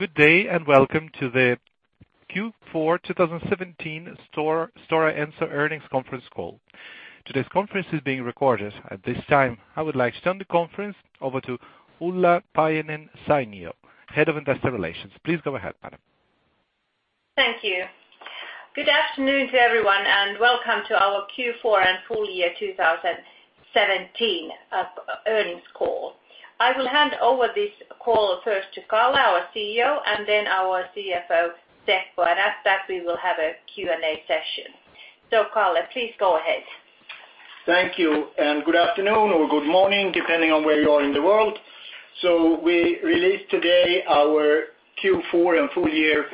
Good day, and welcome to the Q4 2017 Stora Enso earnings conference call. Today's conference is being recorded. At this time, I would like to turn the conference over to Ulla Paajanen-Sainio, Head of Investor Relations. Please go ahead, madam. Thank you. Good afternoon to everyone, and welcome to our Q4 and full year 2017 earnings call. I will hand over this call first to Kalle, our CEO, and then our CFO, Seppo. After that, we will have a Q&A session. Kalle, please go ahead. Thank you, and good afternoon or good morning, depending on where you are in the world. We released today our Q4 and full year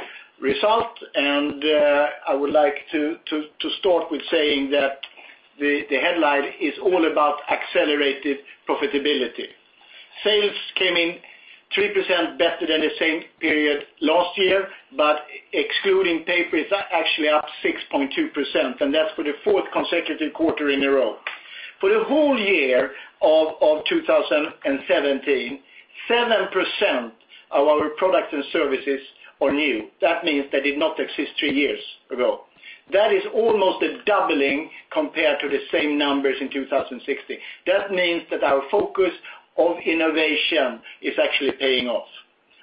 results, and I would like to start with saying that the headline is all about accelerated profitability. Sales came in 3% better than the same period last year, but excluding Paper, it is actually up 6.2%, and that is for the fourth consecutive quarter in a row. For the whole year of 2017, 7% of our products and services are new. That means they did not exist three years ago. That is almost a doubling compared to the same numbers in 2016. That means that our focus on innovation is actually paying off.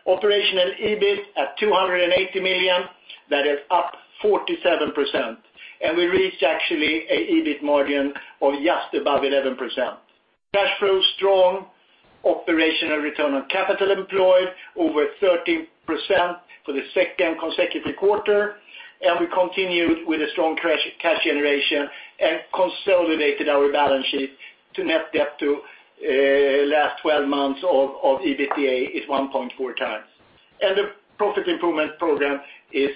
Operational EBIT at 280 million, that is up 47%. And we reached actually an EBIT margin of just above 11%. Cash flow is strong, operational return on capital employed over 13% for the second consecutive quarter, and we continued with a strong cash generation and consolidated our balance sheet to net debt to last 12 months of EBITDA is 1.4 times. And the profit improvement program is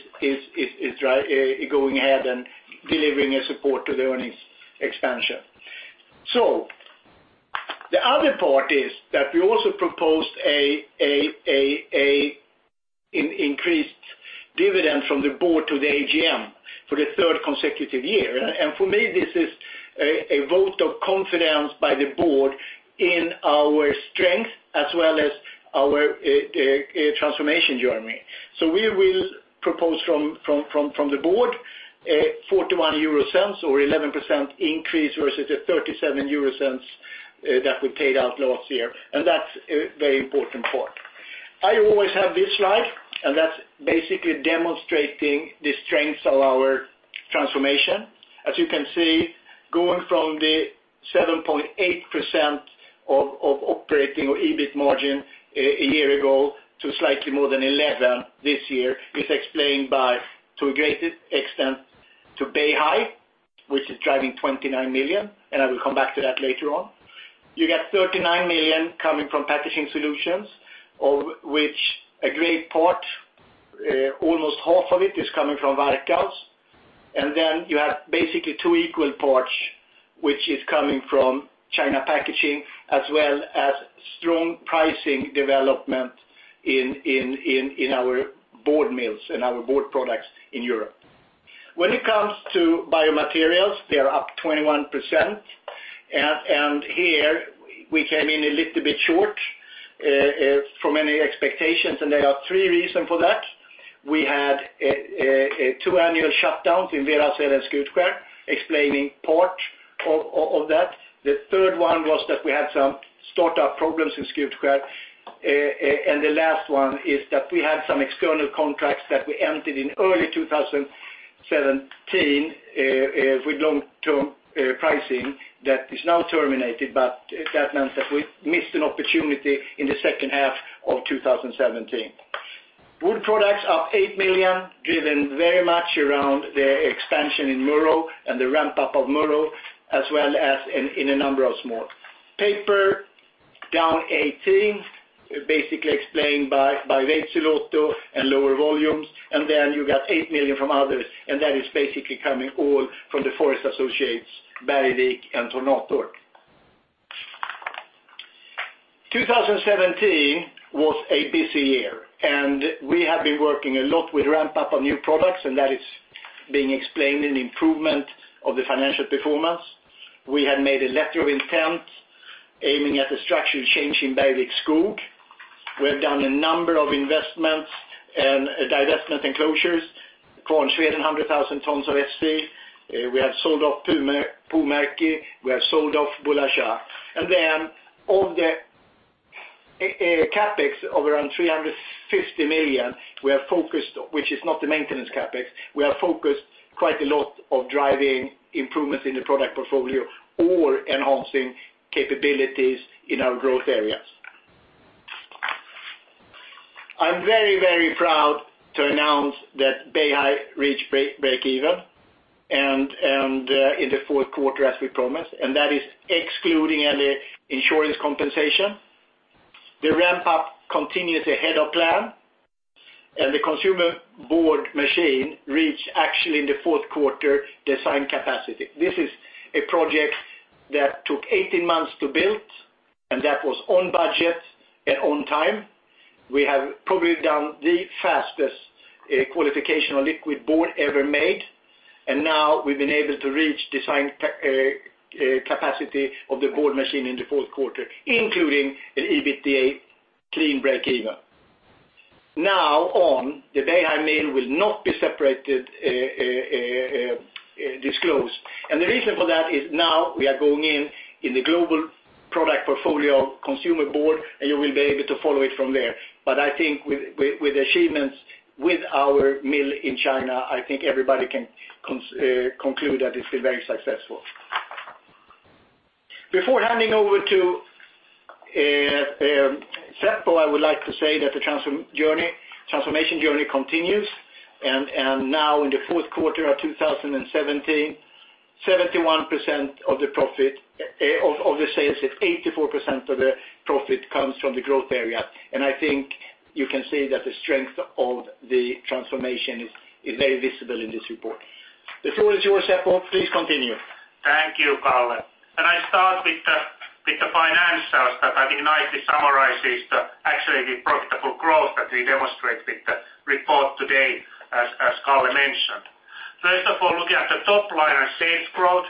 going ahead and delivering a support to the earnings expansion. The other part is that we also proposed an increased dividend from the board to the AGM for the third consecutive year. And for me, this is a vote of confidence by the board in our strength as well as our transformation journey. We will propose from the board 0.41 or 11% increase versus the 0.37 that we paid out last year. And that is a very important part. I always have this slide, and that is basically demonstrating the strengths of our transformation. As you can see, going from the 7.8% of operating or EBIT margin a year ago to slightly more than 11% this year is explained by, to a great extent, to Beihai, which is driving 29 million, and I will come back to that later on. You got 39 million coming from Packaging Solutions, of which a great part, almost half of it is coming from Varkaus. Then you have basically two equal parts, which is coming from China Packaging, as well as strong pricing development in our board mills and our board products in Europe. When it comes to Biomaterials, they are up 21%, and here we came in a little bit short from any expectations, and there are three reasons for that. We had two annual shutdowns in Veitsiluoto and Skutskär, explaining part of that. The third one was that we had some startup problems in Skutskär. The last one is that we had some external contracts that we entered in early 2017, with long-term pricing that is now terminated, but that meant that we missed an opportunity in the second half of 2017. Wood Products up 8 million, driven very much around the expansion in Murów and the ramp-up of Murów, as well as in a number of small. Paper down 18 million, basically explained by Veitsiluoto and lower volumes. Then you got 8 million from others, and that is basically coming all from the forest associates Bergvik and Tornator. 2017 was a busy year, and we have been working a lot with ramp-up on new products, and that is being explained in the improvement of the financial performance. We had made a letter of intent aiming at the structural change in Bergvik Skog. We have done a number of investments and divestment and closures. Kvarnsveden, 100,000 tons of SC. We have sold off Puumerkki. We have sold off Bulleh Shah. Then on the CapEx of around 350 million, which is not the maintenance CapEx, we are focused quite a lot on driving improvements in the product portfolio or enhancing capabilities in our growth areas. I'm very proud to announce that Beihai reached breakeven, and in the fourth quarter as we promised, and that is excluding any insurance compensation. The ramp-up continues ahead of plan, and the Consumer Board machine reached actually in the fourth quarter design capacity. This is a project that took 18 months to build, and that was on budget and on time. We have probably done the fastest qualification on liquid packaging ever made. Now we've been able to reach design capacity of the board machine in the fourth quarter, including an EBITDA clean breakeven. Now on, the Beihai mill will not be separately disclosed. The reason for that is now we are going in in the global product portfolio Consumer Board, and you will be able to follow it from there. I think with the achievements with our mill in China, I think everybody can conclude that it's been very successful. Before handing over to Seppo, I would like to say that the transformation journey continues, and now in the fourth quarter of 2017, 71% of the sales, it's 84% of the profit comes from the growth area. I think you can see that the strength of the transformation is very visible in this report. The floor is yours, Seppo. Please continue. Thank you, Kalle. I start with the financials that I think nicely summarizes actually the profitable growth that we demonstrate with the report today, as Kalle mentioned. First of all, looking at the top line and sales growth.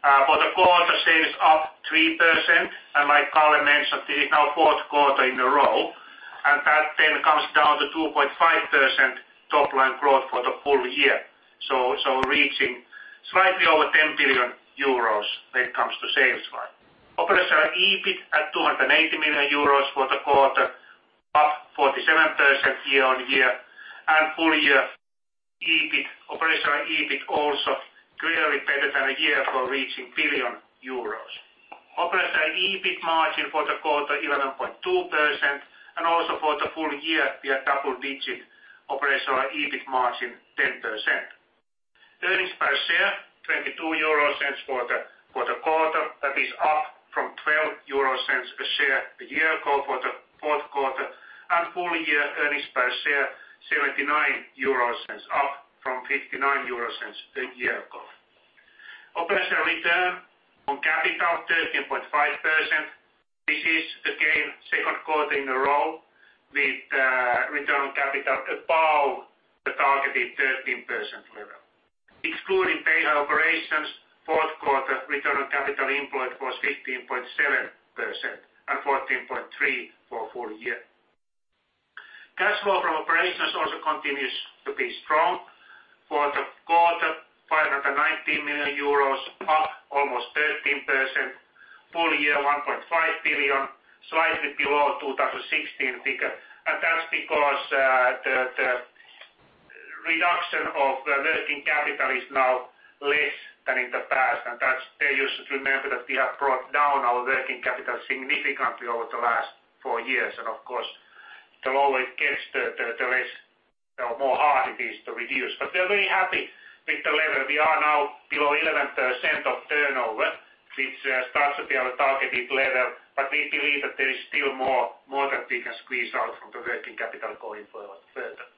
For the quarter, sales up 3%, and like Kalle mentioned, this is now fourth quarter in a row. That then comes down to 2.5% top-line growth for the full year, reaching slightly over 10 billion euros when it comes to sales line. Operational EBIT at 280 million euros for the quarter, up 47% year-on-year, and full year operational EBIT also clearly better than a year for reaching 1 billion euros. Operational EBIT margin for the quarter, 11.2%, and also for the full year, we are double-digit operational EBIT margin 10%. Earnings per share, 0.22 for the quarter. That is up from 0.12 a share a year ago for the fourth quarter, and full year earnings per share, 0.79, up from 0.59 a year ago. Operational return on capital, 13.5%. This is, again, second quarter in a row with return on capital above the targeted 13% level. Excluding Beihai operations, fourth quarter return on capital employed was 15.7% and 14.3% for full year. Cash flow from operations also continues to be strong. For the quarter, 519 million euros, up almost 13%. Full year, 1.5 billion, slightly below 2016 figure. That's because the reduction of working capital is now less than in the past. There you should remember that we have brought down our working capital significantly over the last four years. Of course, the lower it gets, the more hard it is to reduce. We are very happy with the level. We are now below 11% of turnover, which starts to be our targeted level. We believe that there is still more that we can squeeze out from the working capital going forward further.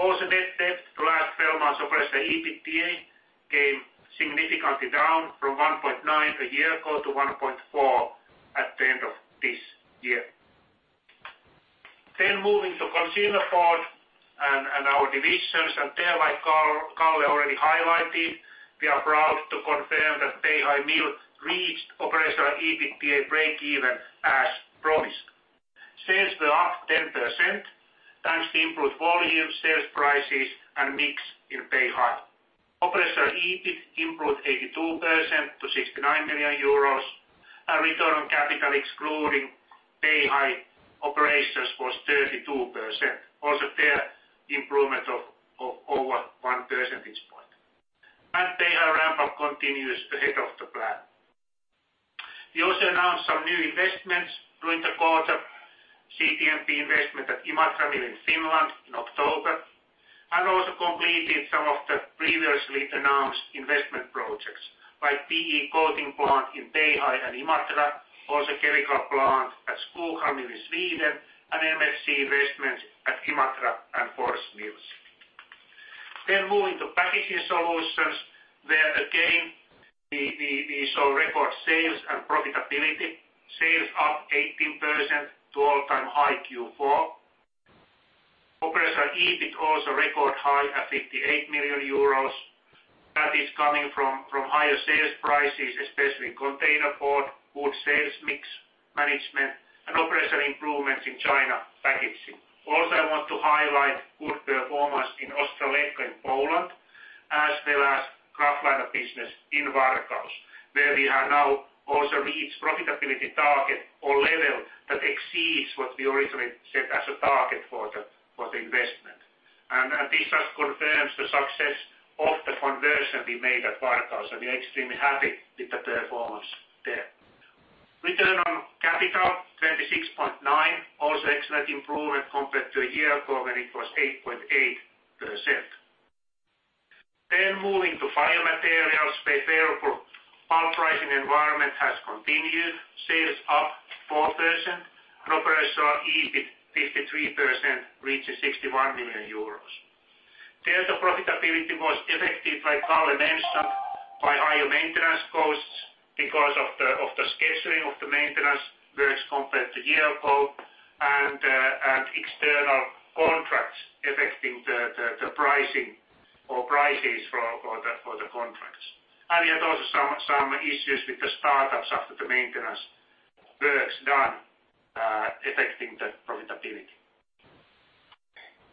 Also net debt last 12 months operational EBITDA came significantly down from 1.9 a year ago to 1.4 at the end of this year. Moving to Consumer Board and our divisions, there, like Kalle already highlighted, we are proud to confirm that Beihai mill reached operational EBITDA breakeven as promised. Sales were up 10%, thanks to improved volume, sales prices, and mix in Beihai. Operational EBIT improved 82% to 69 million euros, and return on capital, excluding Beihai operations, was 32%. Also there, improvement of over one percentage point. Beihai ramp-up continues ahead of the plan. We also announced some new investments during the quarter, CTMP investment at Imatra mill in Finland in October, and also completed some of the previously announced investment projects by PE coating plant in Beihai and Imatra, also chemical plant at Skoghall mill in Sweden, and MFC investments at Imatra and Fors mills. Moving to Packaging Solutions, where again, we saw record sales and profitability. Sales up 18% to all-time high Q4. Operational EBIT also record high at 58 million euros. That is coming from higher sales prices, especially containerboard, good sales mix management, and operational improvements in China packaging. Also, I want to highlight good performance in Ostrołęka in Poland, as well as kraftliner business in Varkaus, where we have now also reached profitability target or level that exceeds what we originally set as a target for the investment. This just confirms the success of the conversion we made at Varkaus, and we are extremely happy with the performance there. Return on capital, 26.9%, also excellent improvement compared to a year ago when it was 8.8%. Moving to Biomaterials. The favorable pulp pricing environment has continued. Sales up 4%, and operational EBIT 53%, reaching 61 million euros. There, the profitability was affected, like Kalle mentioned, by higher maintenance costs because of the scheduling of the maintenance works compared to a year ago, and external contracts affecting the pricing or prices for the contracts. We had also some issues with the startups after the maintenance work's done, affecting the profitability.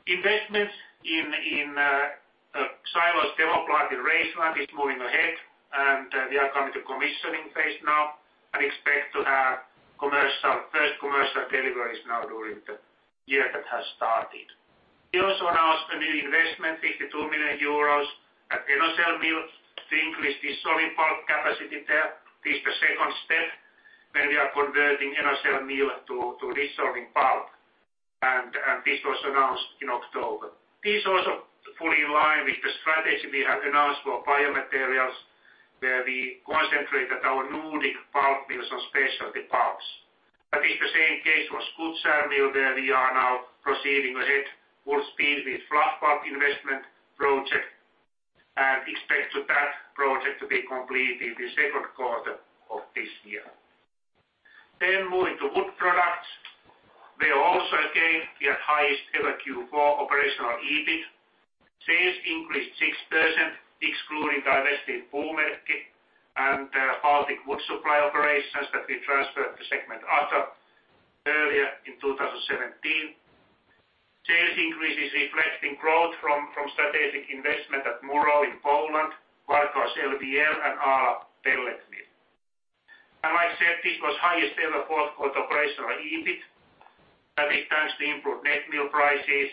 Investments in Xylose demo plant in Raisio is moving ahead, and we are coming to commissioning phase now and expect to have first commercial deliveries now during the year that has started. We also announced a new investment, EUR 52 million at Enocell mill to increase dissolving pulp capacity there. This is the second step when we are converting Enocell mill to dissolving pulp, and this was announced in October. This is also fully in line with the strategy we have announced for Biomaterials, where we concentrate at our Nordic pulp mills on specialty pulps. That is the same case for Skutskär mill, where we are now proceeding ahead full speed with fluff pulp investment project and expect that project to be complete in the second quarter of this year. Moving to Wood Products. There also again, we had highest ever Q4 operational EBIT. Sales increased 6%, excluding divested Puumerkki and the Baltic wood supply operations that we transferred to segment Other earlier in 2017. Sales increases reflecting growth from strategic investment at Murów in Poland, Varkaus LVL, and Ala pellet mill. Like I said, this was highest ever fourth quarter operational EBIT. That is thanks to improved net mill prices,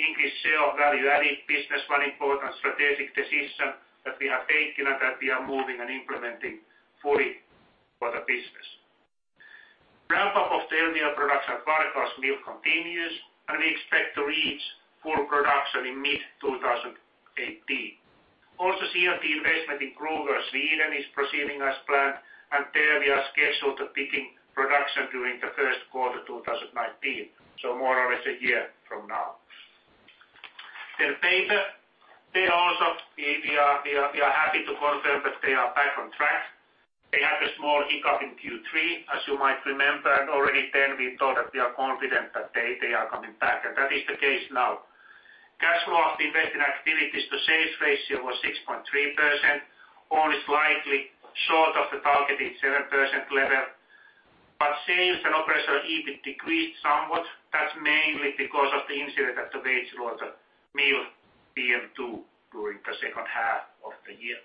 increased sale of value-added business, one important strategic decision that we have taken and that we are moving and implementing fully for the business. Ramp-up of the LVL production at Varkaus mill continues, and we expect to reach full production in mid-2018. Also, CLT investment in Gruvön, Sweden is proceeding as planned, and there we are scheduled to begin production during the first quarter 2019, so more or less a year from now. Paper, we are happy to confirm that they are back on track. They had a small hiccup in Q3, as you might remember. Already then we thought that we are confident that they are coming back, and that is the case now. Cash flow of investing activities to sales ratio was 6.3%, only slightly short of the targeted 7% level. Sales and operational EBIT decreased somewhat. That's mainly because of the incident at the Veitsiluoto mill PM2 during the second half of the year.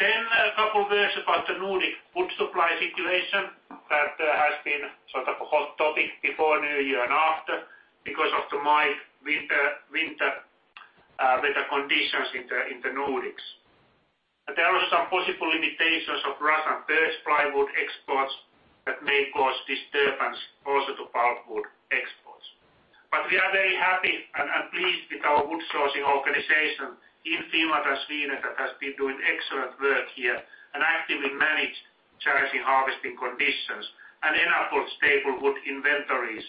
A couple words about the Nordic wood supply situation that has been sort of a hot topic before New Year and after because of the mild winter weather conditions in the Nordics. There are some possible limitations of Russian birch plywood exports that may cause disturbance also to pulpwood exports. We are very happy and pleased with our wood sourcing organization in Finland and Sweden that has been doing excellent work here and actively managed challenging harvesting conditions and enabled stable wood inventories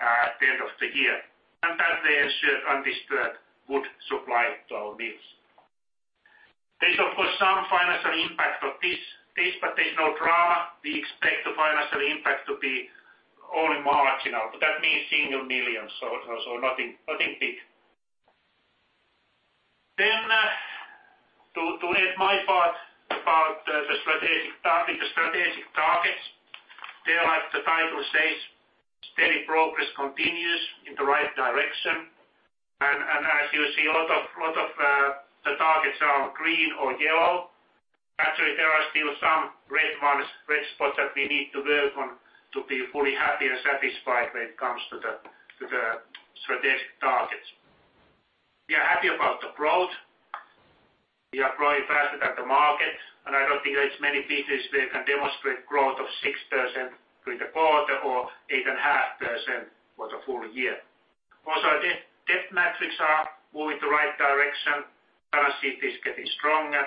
at the end of the year. That they ensured undisturbed wood supply to our mills. There's, of course, some financial impact of this, but there's no drama. We expect the financial impact to be only marginal, but that means single millions, so nothing big. To end my part about the strategic targets. There, like the title says, steady progress continues in the right direction. As you see, a lot of the targets are green or yellow. Actually, there are still some red spots that we need to work on to be fully happy and satisfied when it comes to the strategic targets. We are happy about the growth. We are growing faster than the market, and I don't think there's many businesses that can demonstrate growth of 6% through the quarter or 8.5% for the full year. Our debt metrics are moving the right direction. Balance sheet is getting stronger.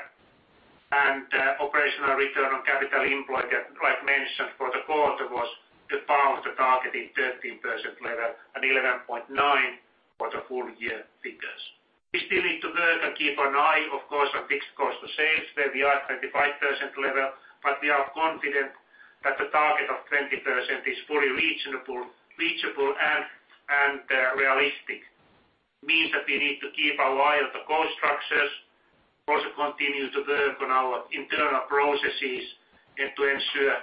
Operational return on capital employed, like mentioned, for the quarter was above the targeted 13% level and 11.9% for the full year figures. We still need to work and keep an eye, of course, on fixed cost to sales, where we are at 35% level, but we are confident that the target of 20% is fully reachable and realistic. Means that we need to keep our eye on the cost structures, also continue to work on our internal processes, and to ensure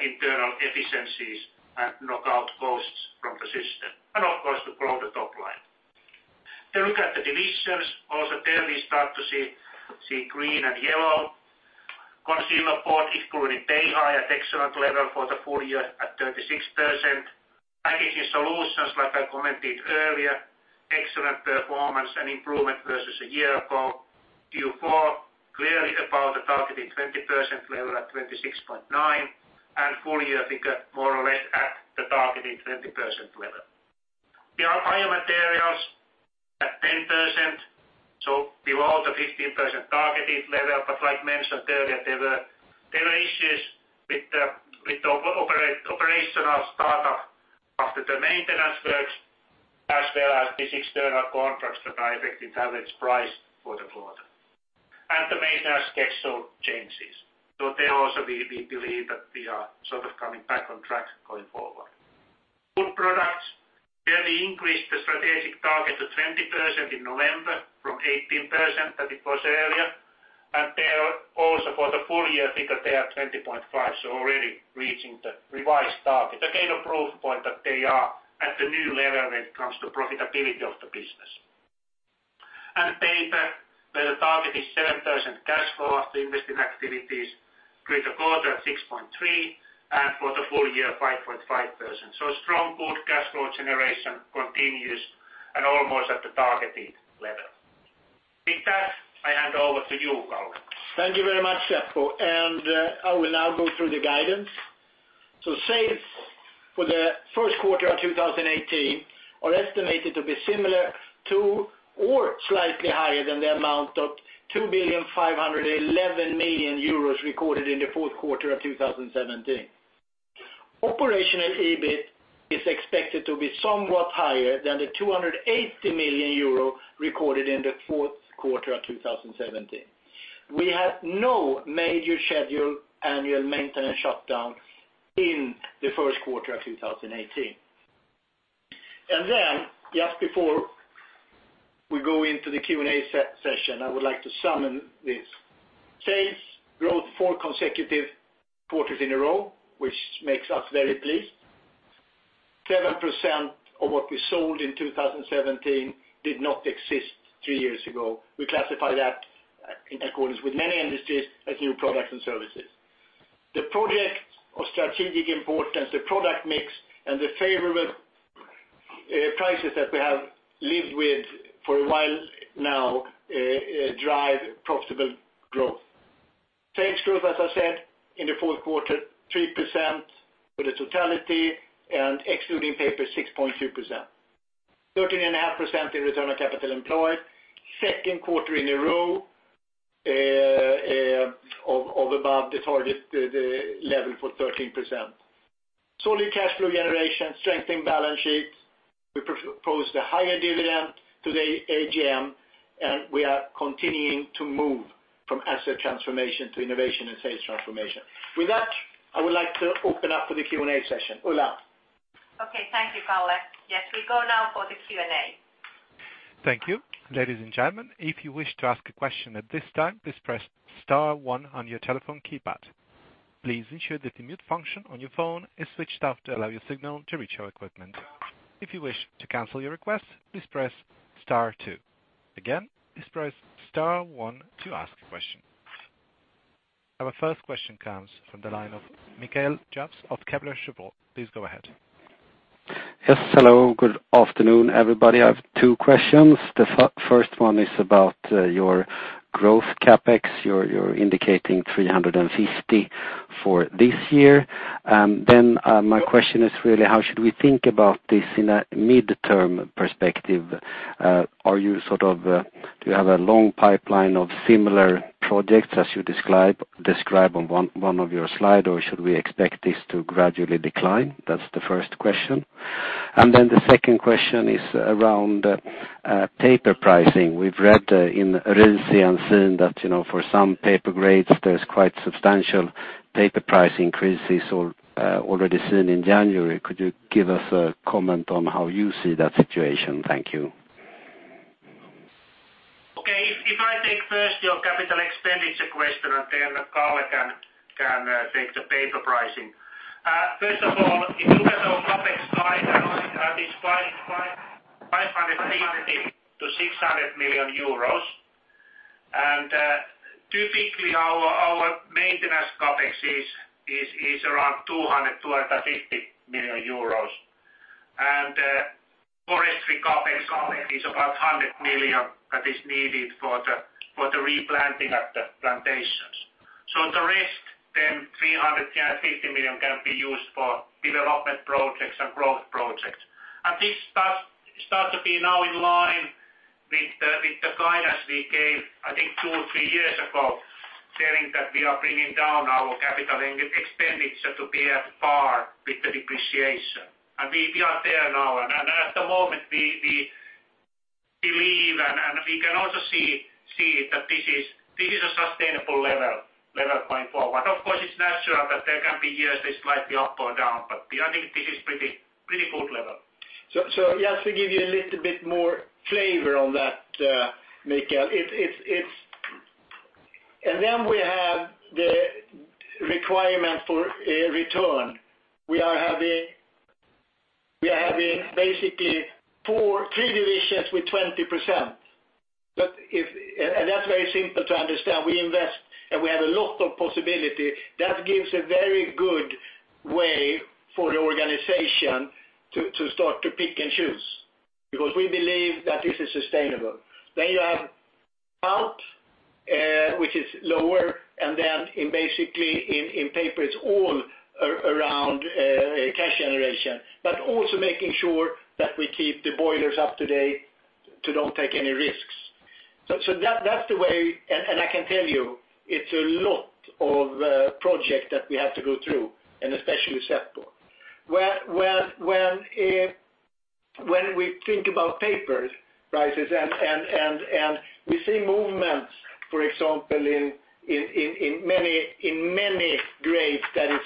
internal efficiencies and knock out costs from the system. Of course, to grow the top line. Look at the divisions. There we start to see green and yellow. Consumer Board, including Beihai, at excellent level for the full year at 36%. Packaging Solutions, like I commented earlier, excellent performance and improvement versus a year ago. Q4, clearly above the targeted 20% level at 26.9%, and full year figure more or less at the targeted 20% level. We have Biomaterials at 10%, so below the 15% targeted level, but like mentioned earlier, there were issues with the operational start-up after the maintenance works, these external contracts that are affecting average price for the quarter, and the maintenance schedule changes. There also we believe that we are sort of coming back on track going forward. Wood Products, where we increased the strategic target to 20% in November from 18% that it was earlier. There also for the full year figure, they are 20.5%, so already reaching the revised target. Again, a proof point that they are at the new level when it comes to profitability of the business. Paper, where the target is 7% cash flow after investing activities through the quarter 6.3%, and for the full year, 5.5%. Strong good cash flow generation continues and almost at the targeted level. With that, I hand over to you, Kalle. Thank you very much, Seppo. I will now go through the guidance. Sales for the first quarter of 2018 are estimated to be similar to or slightly higher than the amount of 2,511,000,000 euros recorded in the fourth quarter of 2017. Operational EBIT is expected to be somewhat higher than the 280 million euro recorded in the fourth quarter of 2017. We have no major scheduled annual maintenance shutdown in the first quarter of 2018. Just before we go into the Q&A session, I would like to sum up this. Sales growth four consecutive quarters in a row, which makes us very pleased. 7% of what we sold in 2017 did not exist three years ago. We classify that in accordance with many industries as new products and services. The project of strategic importance, the product mix, and the favorable prices that we have lived with for a while now drive profitable growth. Sales growth, as I said, in the fourth quarter, 3% for the totality, excluding Paper, 6.2%. 13.5% in return on capital employed, second quarter in a row of above the target, the level for 13%. Solid cash flow generation, strengthened balance sheets. We proposed a higher dividend to the AGM. We are continuing to move from asset transformation to innovation and sales transformation. With that, I would like to open up for the Q&A session. Ulla. Thank you, Kalle. We go now for the Q&A. Thank you. Ladies and gentlemen, if you wish to ask a question at this time, please press star one on your telephone keypad. Please ensure that the mute function on your phone is switched off to allow your signal to reach our equipment. If you wish to cancel your request, please press star two. Again, please press star one to ask a question. Our first question comes from the line of Mikael Jåfs of Kepler Cheuvreux. Please go ahead. Yes, hello. Good afternoon, everybody. I have two questions. The first one is about your growth CapEx. You are indicating 350 for this year. My question is really how should we think about this in a midterm perspective? Do you have a long pipeline of similar projects as you describe on one of your slide, or should we expect this to gradually decline? That is the first question. The second question is around paper pricing. We have read in RISI that for some paper grades, there is quite substantial paper price increases already seen in January. Could you give us a comment on how you see that situation? Thank you. Okay. If I take first your capital expenditure question, Kalle can take the paper pricing. First of all, if you look at our CapEx guidance, it is 550 million-600 million euros. Typically, our maintenance CapEx is around 200 million-250 million euros. Forestry CapEx is about 100 million that is needed for the replanting of the plantations. The rest, 350 million can be used for development projects and growth projects. This starts to be now in line with the guidance we gave, I think, two or three years ago, saying that we are bringing down our capital expenditures to be at par with the depreciation. We are there now. At the moment we believe and we can also see that this is a sustainable level going forward. Of course, it is natural that there can be years they slightly up or down, but I think this is pretty good level. Just to give you a little bit more flavor on that, Mikael. We have the requirement for a return. We are having basically three divisions with 20%. That is very simple to understand. We invest and we have a lot of possibility. That gives a very good way for the organization to start to pick and choose, because we believe that this is sustainable. You have Pulp, which is lower, in basically in Paper, it is all around cash generation. Also making sure that we keep the boilers up to date to not take any risks. That is the way, I can tell you, it is a lot of project that we have to go through. When we think about paper prices and we see movements, for example, in many grades that is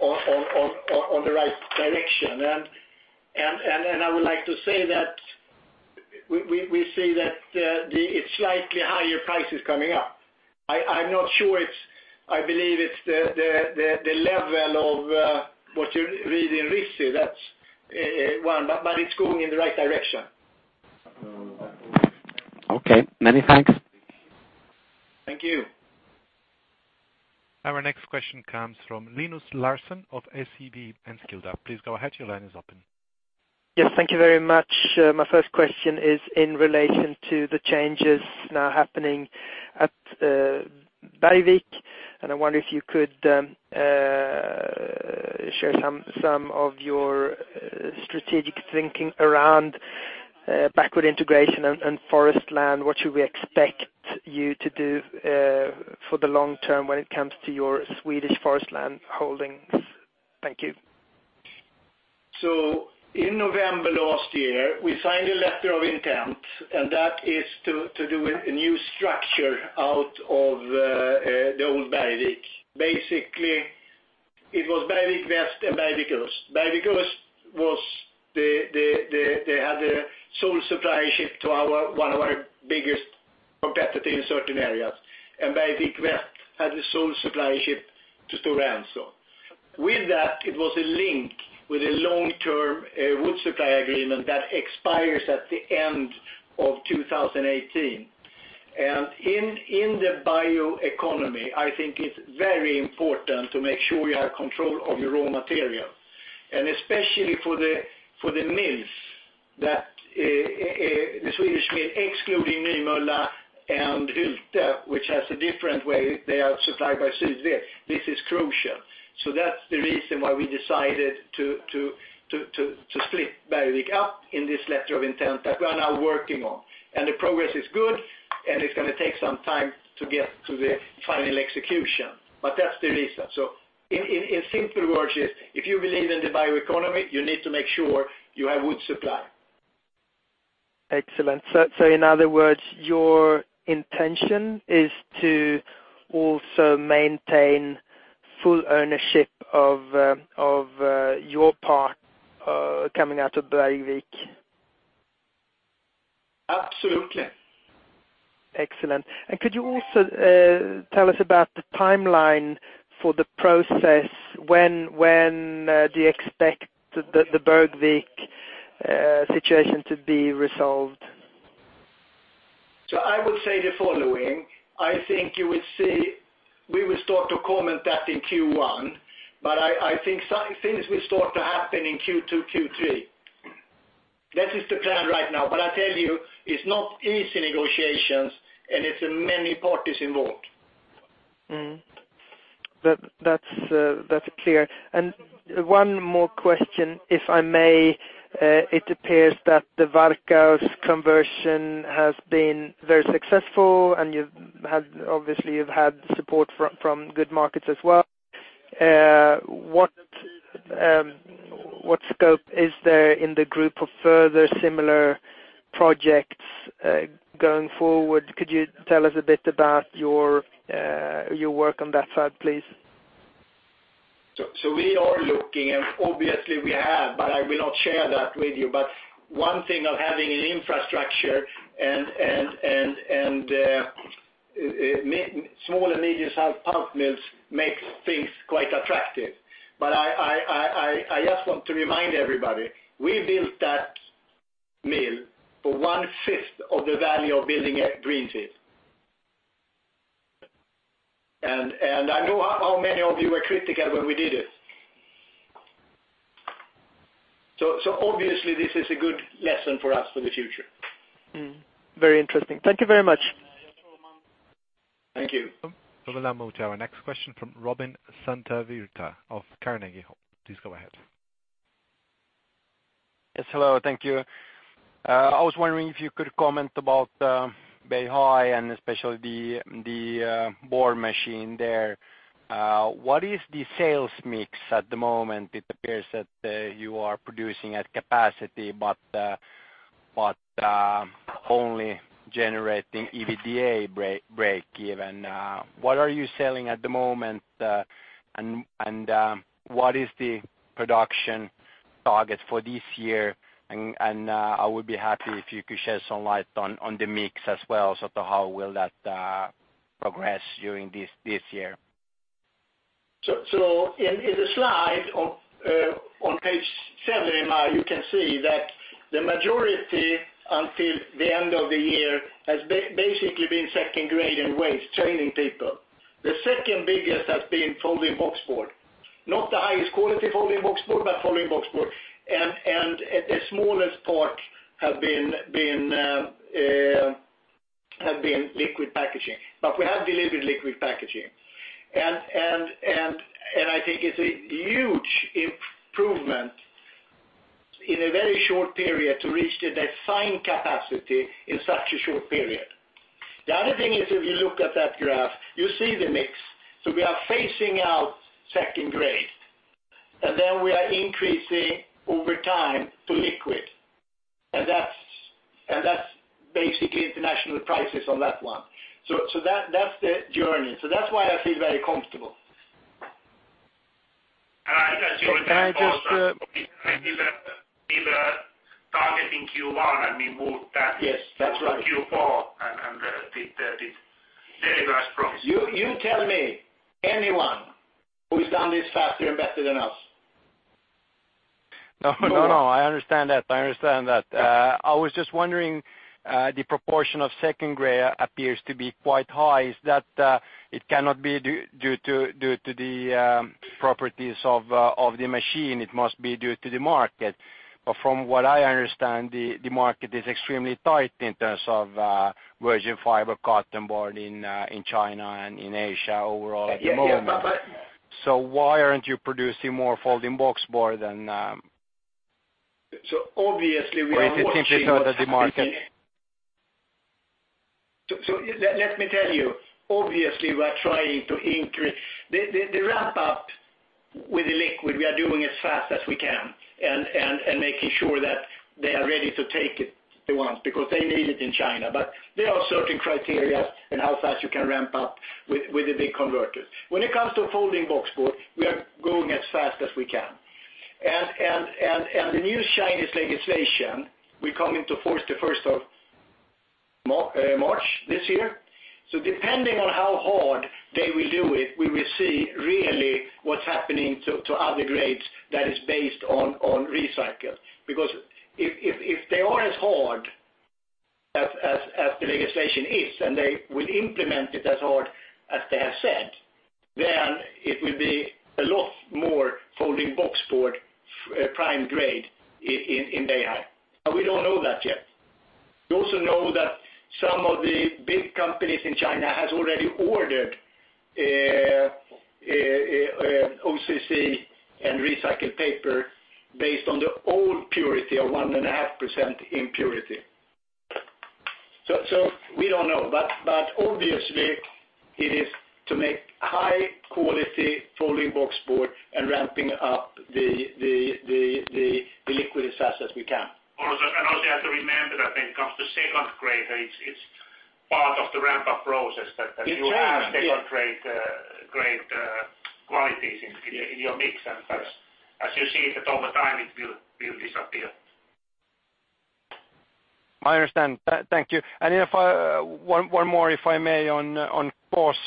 on the right direction. I would like to say that we see that it's slightly higher prices coming up. I'm not sure. I believe it's the level of what you read in RISI, that's one, but it's going in the right direction. Okay, many thanks. Thank you. Our next question comes from Linus Larsson of SEB Enskilda. Please go ahead. Your line is open. Yes, thank you very much. My first question is in relation to the changes now happening at Bergvik. I wonder if you could share some of your strategic thinking around backward integration and forest land. What should we expect you to do for the long term when it comes to your Swedish forest land holdings? Thank you. In November last year, we signed a letter of intent, that is to do a new structure out of the old Bergvik. Basically, it was Bergvik Väst and Bergvik Öst. Bergvik Öst they had a sole supply ship to one of our biggest competitor in certain areas. Bergvik Väst had a sole supply ship to Stora Enso. With that, it was a link with a long-term wood supply agreement that expires at the end of 2018. In the bioeconomy, I think it's very important to make sure you have control of your raw material, especially for the mills, the Swedish mill, excluding Beetham, which has a different way they are supplied by. This is crucial. That's the reason why we decided to split Bergvik up in this letter of intent that we are now working on, the progress is good, and it's going to take some time to get to the final execution. That's the reason. In simple words is, if you believe in the bioeconomy, you need to make sure you have wood supply. Excellent. In other words, your intention is to also maintain full ownership of your part coming out of Bergvik? Absolutely. Excellent. Could you also tell us about the timeline for the process? When do you expect the Bergvik situation to be resolved? I would say the following. I think we will start to comment that in Q1, but I think things will start to happen in Q2, Q3. This is the plan right now, I tell you, it's not easy negotiations, it's many parties involved. That's clear. One more question, if I may. It appears that the Varkaus conversion has been very successful, obviously you've had support from good markets as well. What scope is there in the group of further similar projects going forward? Could you tell us a bit about your work on that side, please? We are looking, obviously we have, but I will not share that with you. One thing of having an infrastructure and small and medium sized pulp mills makes things quite attractive. I just want to remind everybody, we built that mill for one fifth of the value of building at greenfield. I know how many of you were critical when we did it. Obviously this is a good lesson for us for the future. Very interesting. Thank you very much. Thank you. Our next question from Robin Santavirta of Carnegie. Please go ahead. Yes, hello, thank you. I was wondering if you could comment about Beihai and especially the board machine there. What is the sales mix at the moment? It appears that you are producing at capacity, but only generating EBITDA breakeven. What are you selling at the moment? What is the production target for this year? I would be happy if you could share some light on the mix as well, how will that progress during this year? In the slide on page 17, you can see that the majority until the end of the year has basically been grade 2 and waste, training people. The second biggest has been folding boxboard, not the highest quality folding boxboard, but folding boxboard. The smallest part have been liquid packaging. We have delivered liquid packaging. I think it's a huge improvement In a very short period to reach the design capacity in such a short period. The other thing is, if you look at that graph, you see the mix. We are phasing out grade 2, we are increasing over time to liquid. That's basically international prices on that one. That's the journey. That's why I feel very comfortable. I understand also that we had a target in Q1, we moved that- Yes, that's right to Q4 and did deliver as promised. You tell me anyone who's done this faster and better than us. No, I understand that. I was just wondering, the proportion of grade 2 appears to be quite high. Is that it cannot be due to the properties of the machine, it must be due to the market. From what I understand, the market is extremely tight in terms of virgin fiber carton board in China and in Asia overall at the moment. Yeah. Why aren't you producing more folding boxboard than- Obviously we are watching what's happening. Is it simply because of the market? Let me tell you. Obviously, the wrap up with the liquid, we are doing as fast as we can and making sure that they are ready to take it at once, because they need it in China. There are certain criteria in how fast you can ramp up with the big converters. When it comes to folding boxboard, we are going as fast as we can. The new Chinese legislation will come into force the first of March this year. Depending on how hard they will do it, we will see really what's happening to other grades that is based on recycle. If they are as hard as the legislation is, and they will implement it as hard as they have said, then it will be a lot more folding boxboard prime grade in Beihai. We don't know that yet. We also know that some of the big companies in China has already ordered, OCC and recycled paper based on the old purity of 1.5% impurity. We don't know. Obviously it is to make high quality folding boxboard and ramping up the liquid as fast as we can. Also you have to remember that when it comes to second grade, it's part of the ramp-up process. It changes, yes you have second grade qualities in your mix. As you see that over time, it will disappear. I understand. Thank you. One more, if I may, on costs.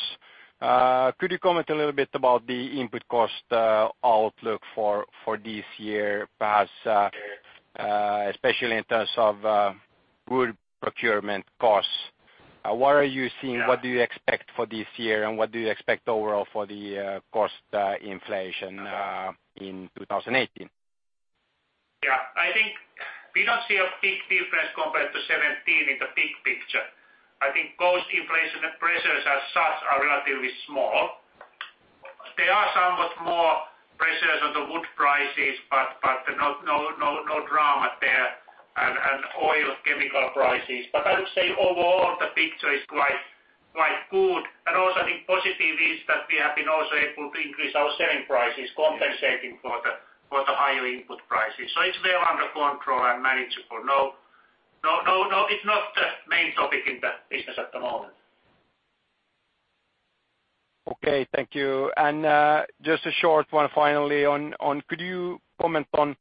Could you comment a little bit about the input cost outlook for this year, perhaps especially in terms of wood procurement costs? What are you seeing? What do you expect for this year, and what do you expect overall for the cost inflation in 2018? Yeah, I think we don't see a big difference compared to 2017 in the big picture. I think cost inflation pressures as such are relatively small. There are somewhat more pressures on the wood prices, but no drama there, and oil chemical prices. I would say overall, the picture is quite good. Also, I think positive is that we have been also able to increase our selling prices, compensating for the higher input prices. It's well under control and manageable. It's not the main topic in the business at the moment. Okay, thank you. Just a short one finally on, could you comment on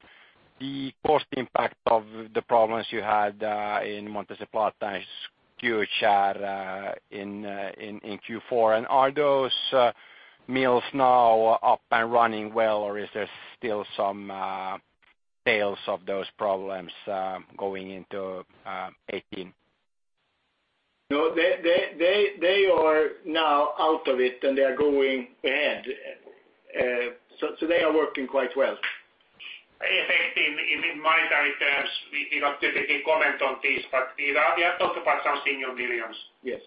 the cost impact of the problems you had in Montes del Plata and Skoghall in Q4? Are those mills now up and running well, or is there still some tails of those problems going into 2018? No, they are now out of it, and they are going ahead. They are working quite well. I think in monetary terms, we don't typically comment on this, but we are talking about some single millions. Yes.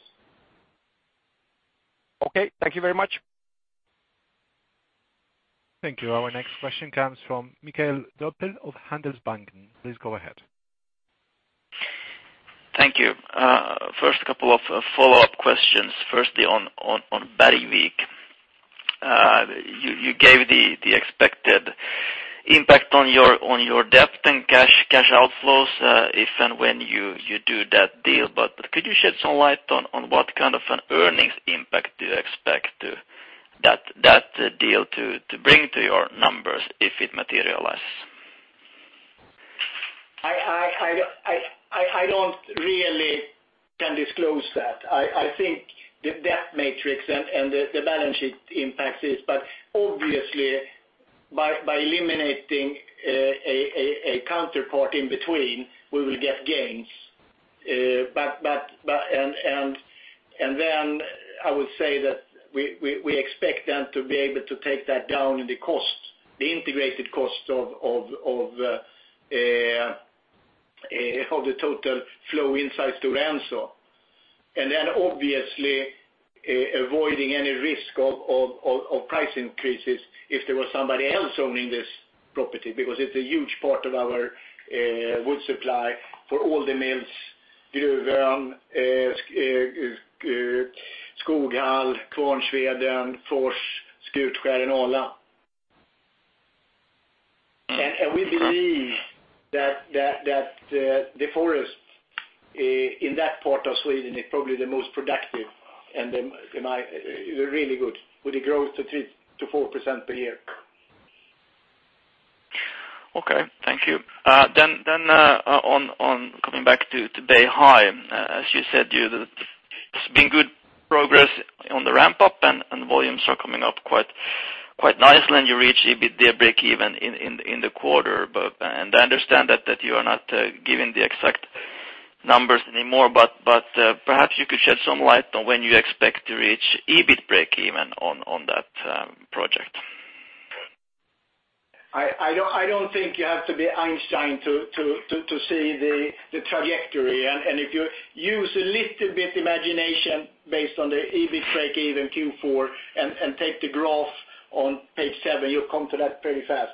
Okay. Thank you very much. Thank you. Our next question comes from Mikael Doepel of Handelsbanken. Please go ahead. Thank you. First, a couple of follow-up questions. Firstly, on Bergvik. You gave the expected impact on your debt and cash outflows if and when you do that deal. Could you shed some light on what kind of an earnings impact do you expect that deal to bring to your numbers if it materializes? I don't really can disclose that. I think the debt matrix and the balance sheet impacts this. Obviously by eliminating a counterpart in between, we will get gains. Then I would say that we expect then to be able to take that down in the cost, the integrated cost of Of the total flow insights to Stora Enso. Obviously, avoiding any risk of price increases if there was somebody else owning this property, because it's a huge part of our wood supply for all the mills, Gruvön, Skoghall, Kvarnsveden, Fors, Skutskär and Ala. We believe that the forest in that part of Sweden is probably the most productive, and really good, with a growth of 3%-4% per year. Okay. Thank you. Coming back to Beihai, as you said, it's been good progress on the ramp-up and volumes are coming up quite nicely, and you reach EBIT break even in the quarter. I understand that you are not giving the exact numbers anymore, but perhaps you could shed some light on when you expect to reach EBIT break even on that project. I don't think you have to be Einstein to see the trajectory. If you use a little bit imagination based on the EBIT break even Q4, and take the graph on page seven, you'll come to that pretty fast.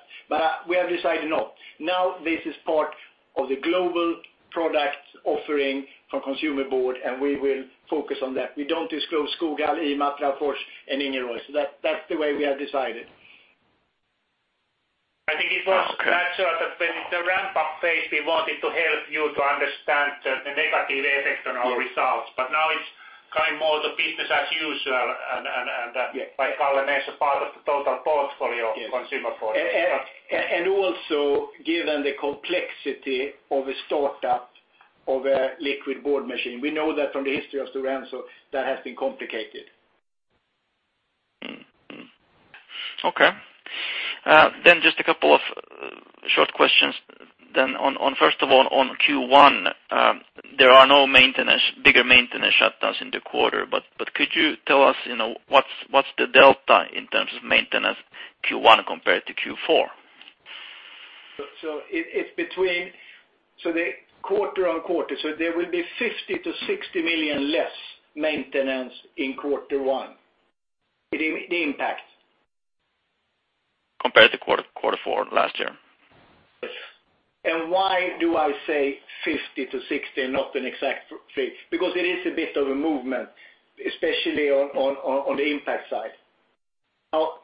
We have decided not. Now, this is part of the global product offering for consumer board, we will focus on that. We don't disclose Skoghall, Imatra, Fors, and Ingerois. That's the way we have decided. I think it was that sort of in the ramp-up phase, we wanted to help you to understand the negative effect on our results, now it's more the business as usual. Yeah like Kalle mentioned, part of the total portfolio. Yes of consumer portfolio. Also, given the complexity of a startup of a liquid board machine. We know that from the history of Stora Enso, that has been complicated. Okay. Just a couple of short questions then. First of all, on Q1, there are no bigger maintenance shutdowns in the quarter, but could you tell us what's the delta in terms of maintenance Q1 compared to Q4? It's between quarter-on-quarter. There will be 50 million-60 million less maintenance in quarter one. The impact. Compared to quarter four last year? Yes. Why do I say 50-60 and not an exact figure? It is a bit of a movement, especially on the impact side.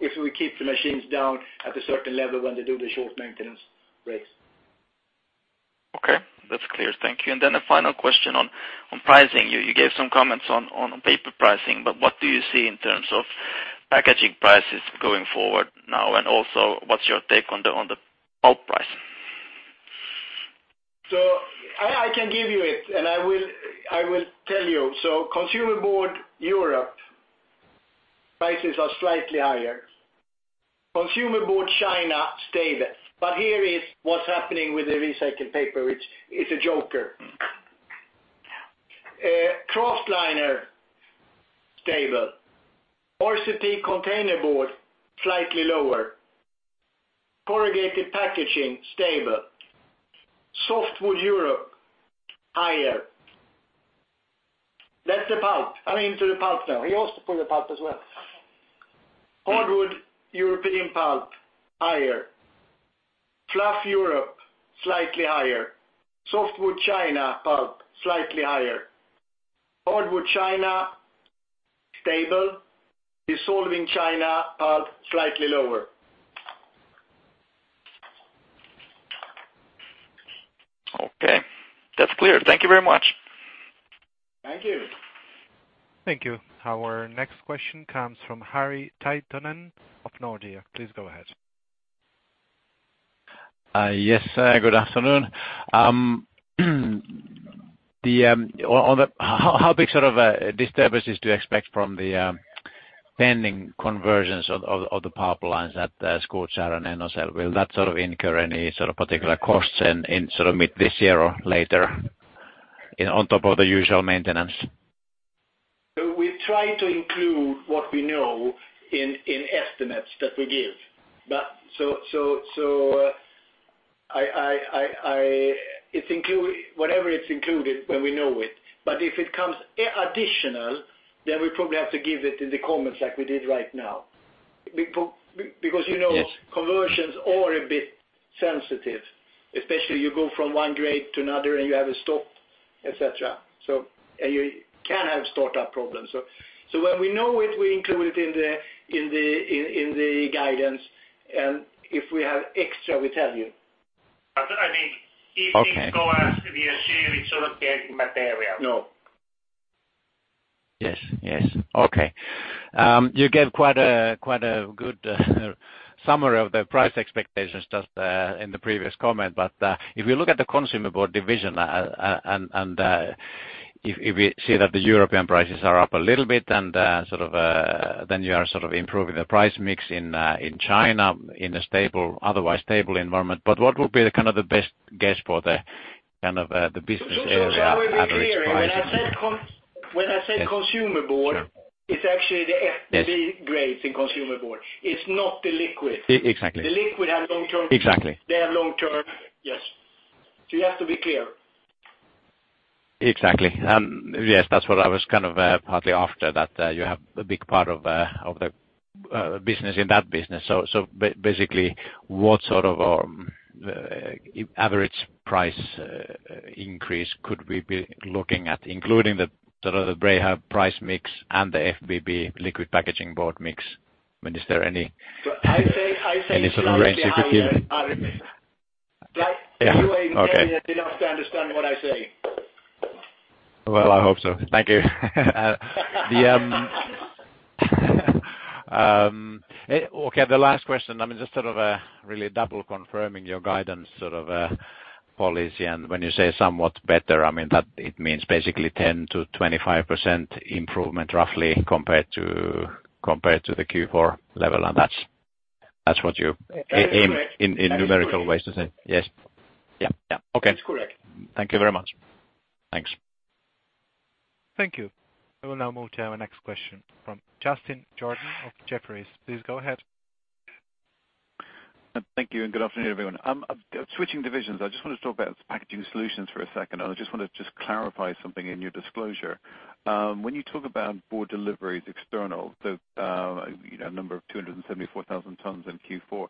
If we keep the machines down at a certain level when they do the short maintenance breaks. Okay. That's clear. Thank you. A final question on pricing. You gave some comments on paper pricing, what do you see in terms of packaging prices going forward now? Also, what's your take on the pulp price? I can give you it, and I will tell you. Consumer Board Europe, prices are slightly higher. Consumer Board China, stable. Here is what's happening with the recycled paper, which is a joker, kraftliner, stable. RCT containerboard, slightly lower. Corrugated packaging, stable. Softwood Europe, higher. That's the pulp. I'm into the pulp now. He asked for the pulp as well. Hardwood European pulp, higher. Fluff Europe, slightly higher. Softwood China pulp, slightly higher. Hardwood China, stable. Dissolving China pulp, slightly lower. Okay. That's clear. Thank you very much. Thank you. Thank you. Our next question comes from Harri Taittonen of Nordea. Please go ahead. Good afternoon. How big sort of a disturbance is to expect from the pending conversions of the power plants at Skutskär and Enocell? Will that incur any sort of particular costs in mid this year or later, on top of the usual maintenance? We try to include what we know in estimates that we give. Whatever it's included when we know it. If it comes additional, we probably have to give it in the comments like we did right now. Yes Conversions are a bit sensitive, especially you go from one grade to another and you have a stop, et cetera. You can have startup problems. When we know it, we include it in the guidance, and if we have extra, we tell you. I mean, if things go as we assume, it shouldn't be material. No. Yes. Okay. You gave quite a good summary of the price expectations just in the previous comment. If you look at the Consumer Board division and if we see that the European prices are up a little bit, then you are sort of improving the price mix in China, in an otherwise stable environment. What would be the best guess for the business area average pricing? Just to be very clear, when I say Consumer Board, it's actually the FBB grades in Consumer Board. It's not the Liquid. Exactly. The Liquid have long-term- Exactly They have long-term, yes. You have to be clear. Exactly. Yes, that's what I was partly after, that you have a big part of the business in that business. Basically, what sort of average price increase could we be looking at, including the sort of the Brahe price mix and the FBB liquid packaging board mix? I mean, is there any? I say- Any sort of range that you could give me? You ain't getting it enough to understand what I say. Well, I hope so. Thank you. Okay, the last question, just sort of really double confirming your guidance policy and when you say somewhat better, it means basically 10%-25% improvement roughly compared to the Q4 level, and that's what you- That is correct. in numerical ways to say. Yes. Yeah. Okay. That's correct. Thank you very much. Thanks. Thank you. We will now move to our next question from Justin Jordan of Jefferies. Please go ahead. Thank you. Good afternoon, everyone. I'm switching divisions. I just wanted to talk about Packaging Solutions for a second, I just want to just clarify something in your disclosure. When you talk about board deliveries external, the number of 274,000 tons in Q4,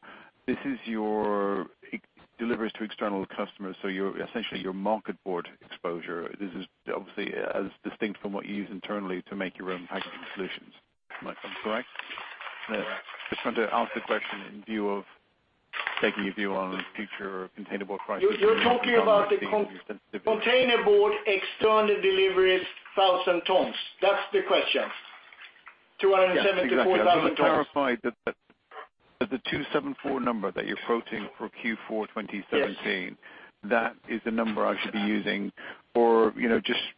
this is your deliveries to external customers, so essentially your market board exposure. This is obviously as distinct from what you use internally to make your own Packaging Solutions. Am I correct? Correct. I just wanted to ask the question in view of taking a view on future containerboard. You're talking about the con- Sensitivity containerboard external deliveries, 1,000 tons. That's the question. 274,000 tons. Yes, exactly. I just want to clarify that the 274 number that you're quoting for Q4 2017- Yes that is the number I should be using or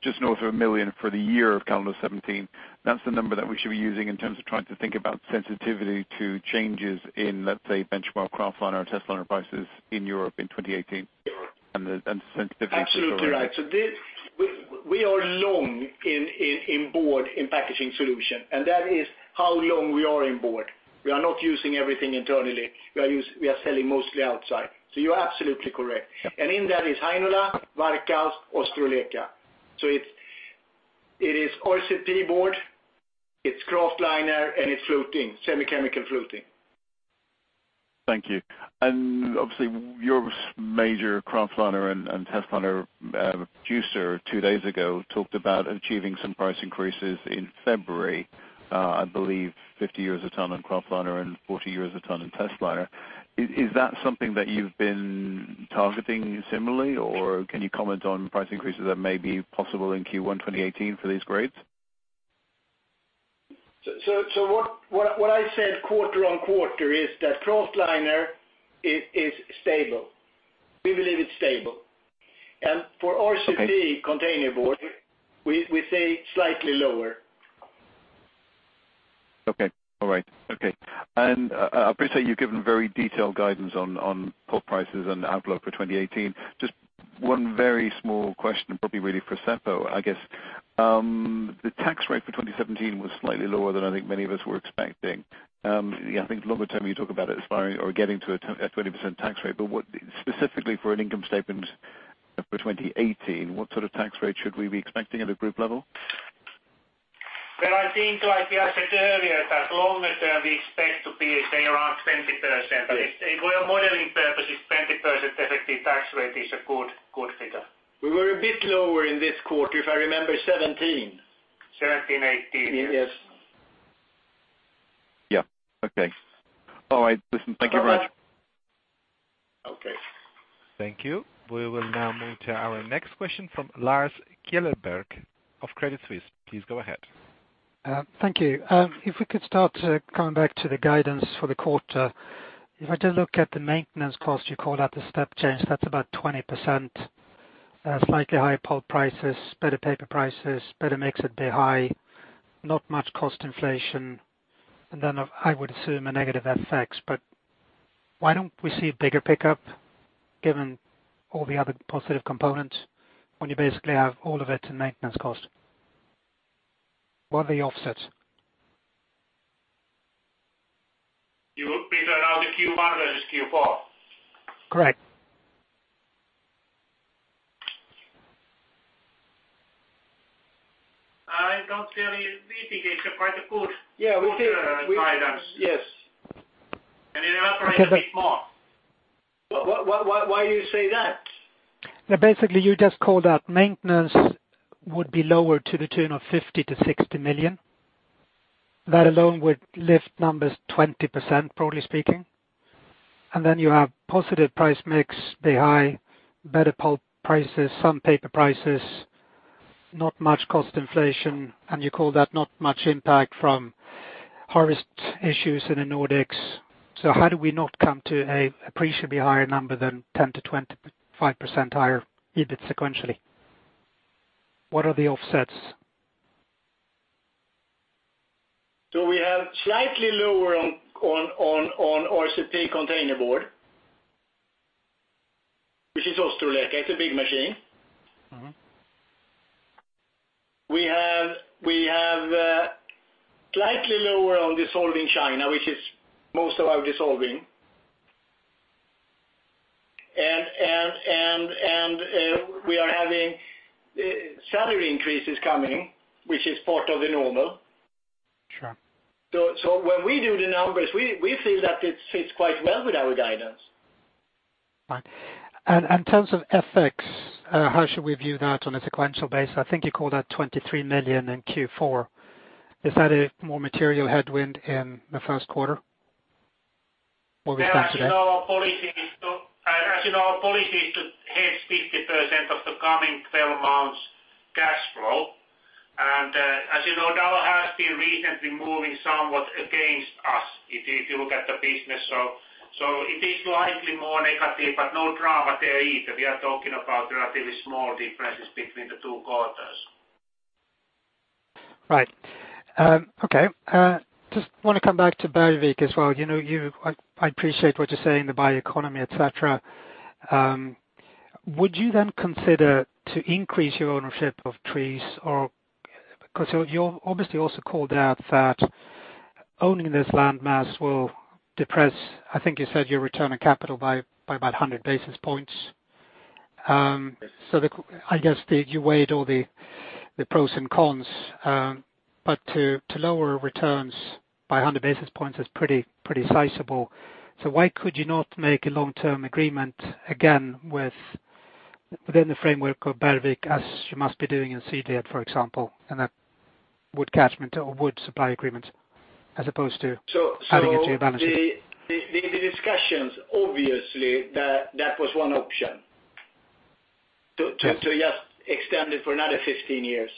just north of 1 million for the year of calendar 2017. That's the number that we should be using in terms of trying to think about sensitivity to changes in, let's say, benchmark kraftliner or testliner prices in Europe in 2018? Sure. the sensitivity to the- Absolutely right. We are long in board in Packaging Solutions, and that is how long we are in board. We are not using everything internally. We are selling mostly outside. You're absolutely correct. In there is Heinola, Varkaus, Ostrołęka. It is RCP board, it's kraftliner, and it's fluting, semi-chemical fluting. Thank you. Obviously, your major kraftliner and testliner producer two days ago talked about achieving some price increases in February, I believe 50 euros a ton on kraftliner and 40 euros a ton on testliner. Is that something that you've been targeting similarly, or can you comment on price increases that may be possible in Q1 2018 for these grades? What I said quarter on quarter is that kraftliner is stable. We believe it's stable. For RCP- Okay containerboard, we say slightly lower. Okay. All right. Okay. I appreciate you've given very detailed guidance on pulp prices and outlook for 2018. Just one very small question, probably really for Seppo. I guess the tax rate for 2017 was slightly lower than I think many of us were expecting. I think longer term you talk about it aspiring or getting to a 20% tax rate, but specifically for an income statement for 2018, what sort of tax rate should we be expecting at a group level? Well, I think like I said earlier, that longer term we expect to be, say, around 20%, for modeling purposes, 20% effective tax rate is a good figure. We were a bit lower in this quarter, if I remember, 17%. 17, 18. Yes. Yeah. Okay. All right. Listen, thank you very much. Okay. Thank you. We will now move to our next question from Lars Kjellberg of Credit Suisse. Please go ahead. Thank you. If we could start, coming back to the guidance for the quarter. If I just look at the maintenance cost, you call that a step change, that's about 20%, slightly higher pulp prices, better paper prices, better mix at Beihai, not much cost inflation. Then I would assume a negative FX, why don't we see a bigger pickup given all the other positive components when you basically have all of it in maintenance cost? What are the offsets? You mean around the Q1 versus Q4? Correct. We think it's quite a good- Yeah. quarter guidance. Yes. Can you elaborate a bit more? Why do you say that? You just called out maintenance would be lower to the tune of 50 million-60 million. That alone would lift numbers 20%, broadly speaking. You have positive price mix, Beihai, better pulp prices, some Paper prices, not much cost inflation, and you call that not much impact from harvest issues in the Nordics. How do we not come to a appreciably higher number than 10%-25% higher EBIT sequentially? What are the offsets? We have slightly lower on RCP containerboard. This is also true, like it's a big machine. We have slightly lower on dissolving China, which is most of our dissolving. We are having salary increases coming, which is part of the normal. Sure. When we do the numbers, we feel that it fits quite well with our guidance. Right. In terms of FX, how should we view that on a sequential basis? I think you called that 23 million in Q4. Is that a more material headwind in the first quarter? As you know, our policy is to hedge 50% of the coming 12 months cash flow. As you know, USD has been recently moving somewhat against us, if you look at the business. It is slightly more negative, but no drama there either. We are talking about relatively small differences between the two quarters. Right. Okay. Just want to come back to Bergvik as well. I appreciate what you're saying, the bioeconomy, et cetera. Would you then consider to increase your ownership of trees or-- Because you obviously also called out that owning this land mass will depress, I think you said your return on capital by about 100 basis points. I guess that you weighed all the pros and cons, but to lower returns by 100 basis points is pretty sizable. Why could you not make a long-term agreement again within the framework of Bergvik, as you must be doing in Tornator, for example, and that wood catchment or wood supply agreement, as opposed to- So- -adding it to your balances the discussions, obviously, that was one option. Yes. To just extend it for another 15 years.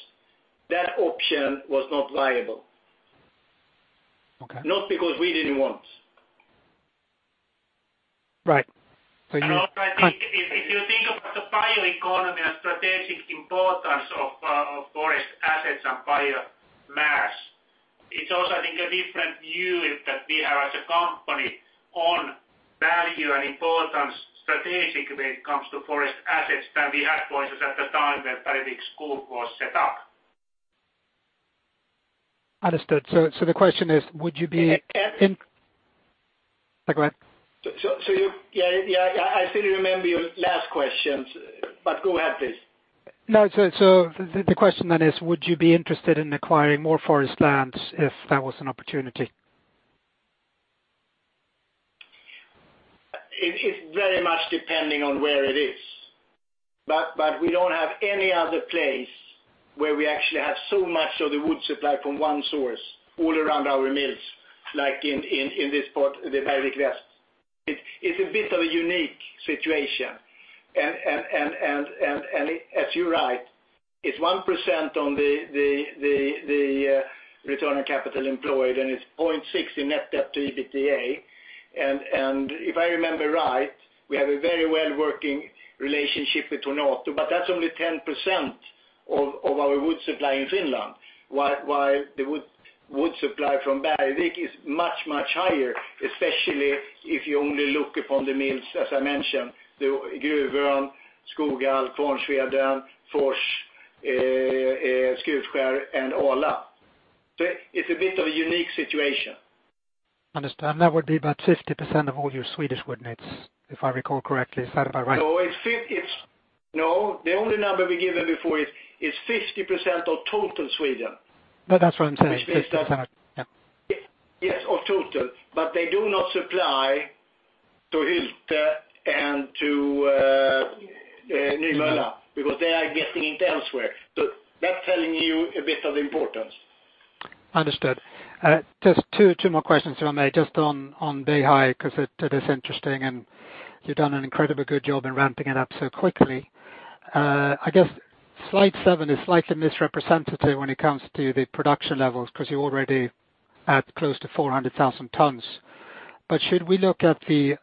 That option was not viable. Okay. Not because we didn't want. Right. Also, if you think about the bioeconomy and strategic importance of forest assets and biomass, it's also I think a different view that we have as a company on value and importance strategically when it comes to forest assets than we had for instance at the time that Bergvik Skog was set up. Understood. The question is, would you be Can- Go ahead. I still remember your last questions, go ahead, please. No, the question then is, would you be interested in acquiring more forest lands if that was an opportunity? It very much depending on where it is. We don't have any other place where we actually have so much of the wood supply from one source all around our mills, like in this part, the Bergvik Skog. It's a bit of a unique situation, as you're right, it's 1% on the return on capital employed, and it's 0.6 in net debt to EBITDA. If I remember right, we have a very well working relationship with Tornator, but that's only 10% of our wood supply in Finland. While the wood supply from Bergvik is much, much higher, especially if you only look upon the mills, as I mentioned, Gruvön, Skoghall, Kvarnsveden, Fors, Skutskär, and Ala. It's a bit of a unique situation. Understand. That would be about 50% of all your Swedish wood nets, if I recall correctly. Is that about right? No, the only number we've given before is 50% of total Sweden. No, that's what I'm saying, 50%. Yeah. Yes, of total. They do not supply to Hylte and to Nymölla because they are getting it elsewhere. That's telling you a bit of importance. Understood. Just two more questions if I may. Just on Beihai, because it is interesting, and you've done an incredibly good job in ramping it up so quickly. I guess slide seven is slightly misrepresentative when it comes to the production levels, because you're already at close to 400,000 tons. Should we look at the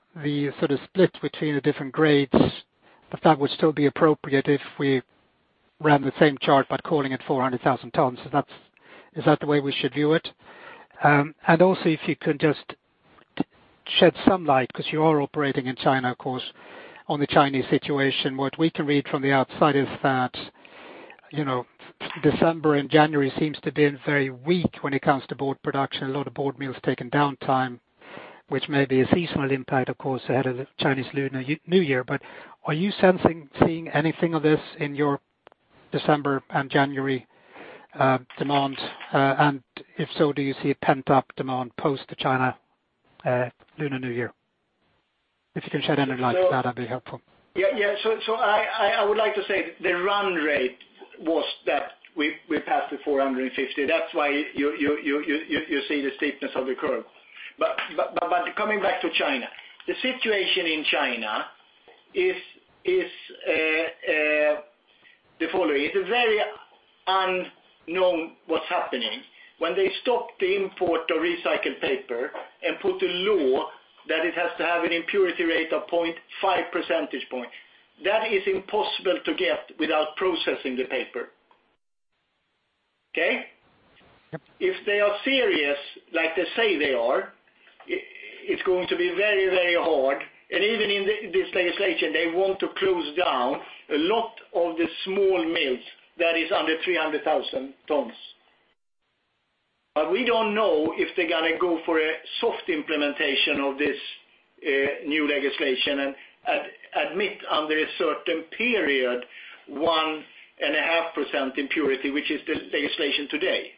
sort of split between the different grades, that that would still be appropriate if we ran the same chart, but calling it 400,000 tons. Is that the way we should view it? Also, if you could just shed some light, because you are operating in China, of course, on the Chinese situation. What we can read from the outside is that December and January seems to been very weak when it comes to board production. A lot of board mills taken downtime, which may be a seasonal impact, of course, ahead of the Chinese Lunar New Year. Are you sensing, seeing anything of this in your December and January demands? If so, do you see a pent-up demand post the China Lunar New Year? If you can shed any light on that'd be helpful. Yeah. I would like to say the run rate was that we passed the 450. That's why you see the steepness of the curve. Coming back to China, the situation in China is the following. It's very unknown what's happening. When they stopped the import of recycled paper and put a law that it has to have an impurity rate of 0.5 percentage point, that is impossible to get without processing the paper. Okay. If they are serious, like they say they are, it's going to be very hard. Even in this legislation, they want to close down a lot of the small mills that is under 300,000 tons. We don't know if they're going to go for a soft implementation of this new legislation and admit under a certain period 1.5% impurity, which is the legislation today.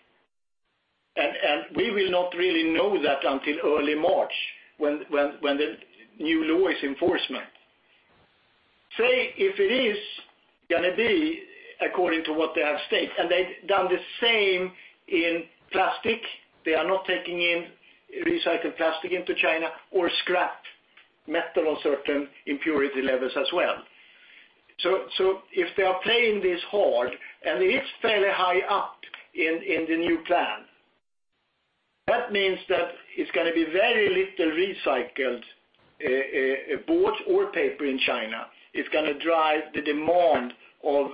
We will not really know that until early March, when the new law is in enforcement. If it is going to be according to what they have staked, they've done the same in plastic. They are not taking in recycled plastic into China or scrap metal of certain impurity levels as well. If they are playing this hard, and it is fairly high up in the new plan, that means that it's going to be very little recycled boards or paper in China. It's going to drive the demand of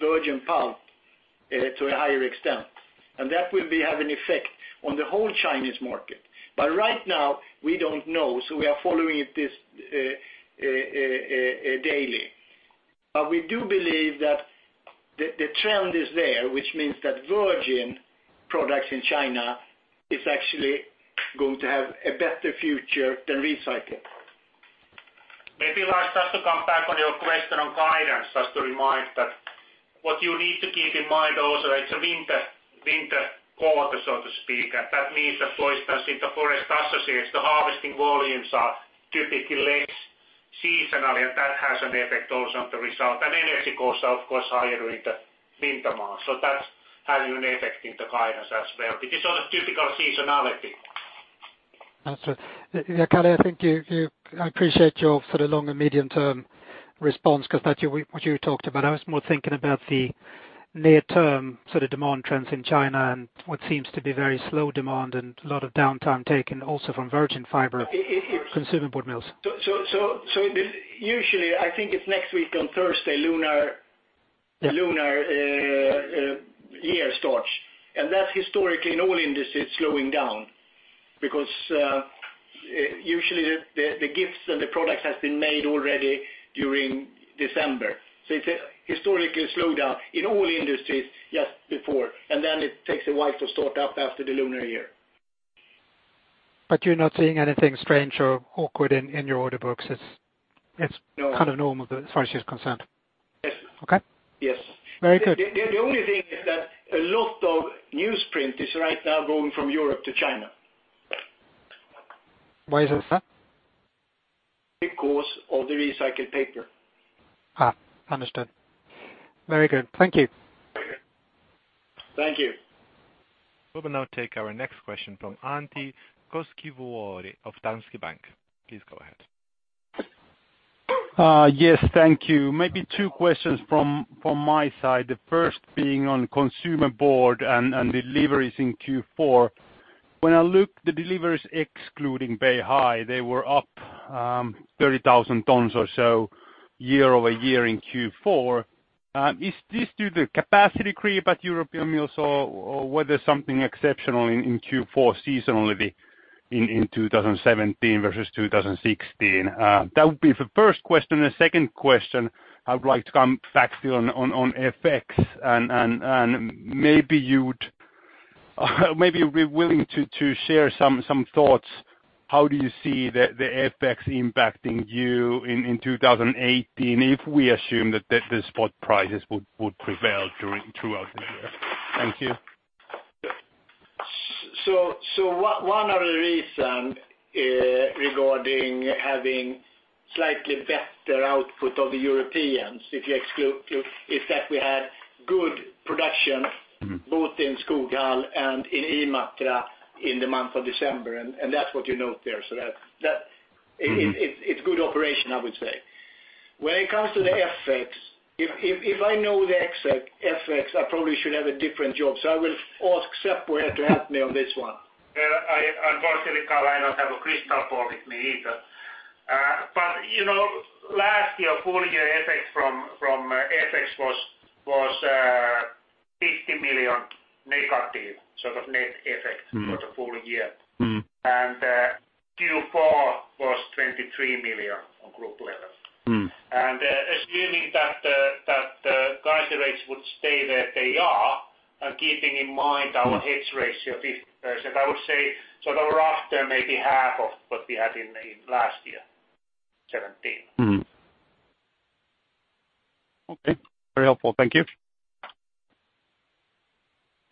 virgin pulp to a higher extent. That will have an effect on the whole Chinese market. Right now, we don't know. We are following it daily. We do believe that the trend is there, which means that virgin products in China is actually going to have a better future than recycled. Lars, just to come back on your question on guidance, just to remind that what you need to keep in mind also, it's a winter quarter, so to speak. That means that, for instance, in the forest associates, the harvesting volumes are typically less seasonal, and that has an effect also on the result. Energy costs are, of course, higher during the winter months. That's having an effect in the guidance as well, because of typical seasonality. That's right. Kalle, I appreciate your sort of long and medium-term response, because that what you talked about. I was more thinking about the near-term sort of demand trends in China and what seems to be very slow demand and a lot of downtime taken also from virgin fiber. It- consumer board mills. Usually, I think it's next week on Thursday, lunar year starts, and that historically in all industries is slowing down, because usually the gifts and the products has been made already during December. It's a historically slowdown in all industries just before, and then it takes a while to start up after the lunar year. You're not seeing anything strange or awkward in your order books. It's. No kind of normal as far as you're concerned. Yes. Okay. Yes. Very good. The only thing is that a lot of newsprint is right now going from Europe to China. Why is that sir? Because of the recycled paper. Understood. Very good. Thank you. Thank you. We will now take our next question from Antti Koskivuori of Danske Bank. Please go ahead. Yes, thank you. Maybe two questions from my side. The first being on Consumer Board and deliveries in Q4, when I look the deliveries excluding Beihai, they were up 30,000 tons or so year-over-year in Q4. Is this due to capacity creep at European mills or was there something exceptional in Q4 seasonally in 2017 versus 2016? That would be the first question. The second question, I would like to come back still on FX and maybe you'd be willing to share some thoughts. How do you see the FX impacting you in 2018, if we assume that the spot prices would prevail throughout the year? Thank you. one of the reason regarding having slightly better output of Europeans, if you exclude, is that we had good production- both in Skoghall and in Imatra in the month of December, and that's what you note there. that- it's good operation, I would say. When it comes to the FX, if I know the FX, I probably should have a different job. I will ask Seppo here to help me on this one. Unfortunately, Kalle, I don't have a crystal ball with me either. last year, full year effect from FX was 50 million negative, sort of net effect- for the full year. Q4 was 23 million on group level. Assuming that the currency rates would stay where they are, and keeping in mind our hedge ratio, 50%, I would say sort of rough there, maybe half of what we had in last year, 2017. Okay. Very helpful. Thank you.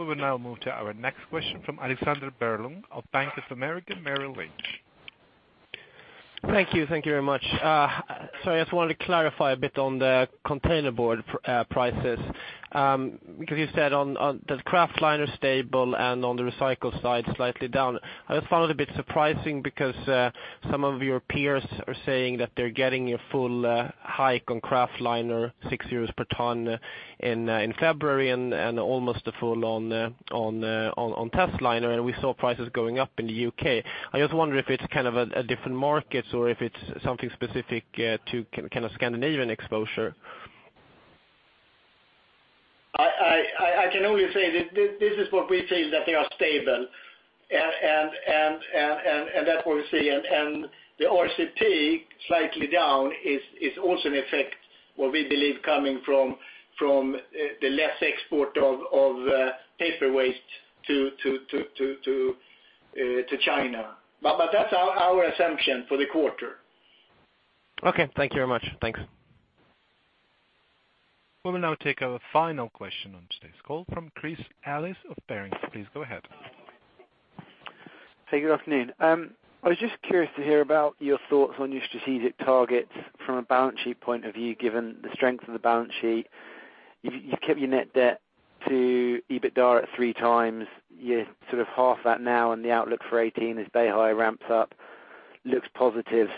We will now move to our next question from Alexander Berglund of Bank of America Merrill Lynch. Thank you. Thank you very much. Sorry, I just wanted to clarify a bit on the containerboard prices. You said on the kraftliner stable and on the recycled side, slightly down. I just found it a bit surprising because some of your peers are saying that they are getting a full hike on kraftliner six EUR per ton in February and almost a full on testliner, and we saw prices going up in the U.K. I just wonder if it is kind of a different market or if it is something specific to kind of Scandinavian exposure. We only say that this is what we feel that they are stable, and that is what we see. The RCP slightly down is also an effect, what we believe coming from the less export of paper waste to China. That is our assumption for the quarter. Okay. Thank you very much. Thanks. We will now take our final question on today's call from Chris Ellis of Barings. Please go ahead. Hey, good afternoon. I was just curious to hear about your thoughts on your strategic targets from a balance sheet point of view, given the strength of the balance sheet. You've kept your net debt to EBITDA at three times, you're sort of half that now and the outlook for 2018 as Beihai ramps up, looks positive.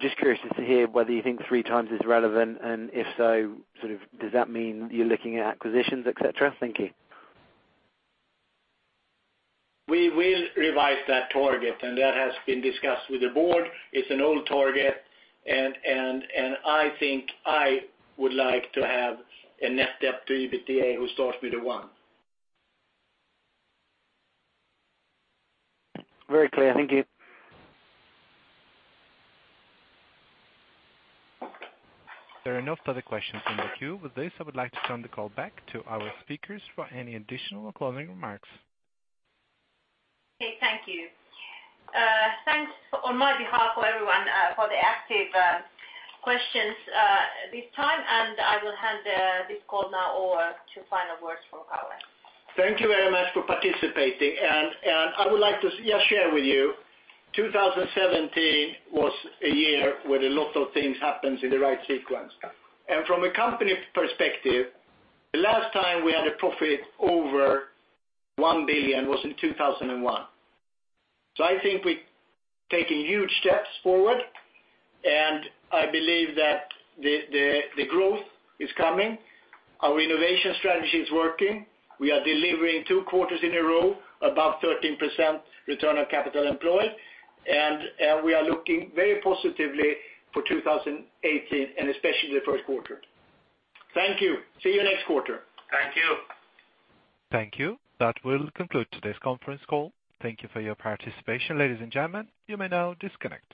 Just curious to hear whether you think three times is relevant, and if so, does that mean you're looking at acquisitions, et cetera? Thank you. We will revise that target, that has been discussed with the board. It's an old target, and I think I would like to have a net debt to EBITDA who starts with a one. Very clear. Thank you. There are no further questions in the queue. With this, I would like to turn the call back to our speakers for any additional closing remarks. Okay. Thank you. Thanks on my behalf for everyone for the active questions this time, I will hand this call now over to final words from Karl. Thank you very much for participating. I would like to just share with you, 2017 was a year where a lot of things happens in the right sequence. From a company perspective, the last time we had a profit over 1 billion was in 2001. I think we're taking huge steps forward, and I believe that the growth is coming. Our innovation strategy is working. We are delivering two quarters in a row, above 13% return on capital employed, we are looking very positively for 2018 and especially the first quarter. Thank you. See you next quarter. Thank you. Thank you. That will conclude today's conference call. Thank you for your participation, ladies and gentlemen. You may now disconnect.